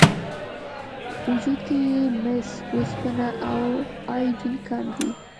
وجود کې یې مس، وسپنه او ایودین کم دي.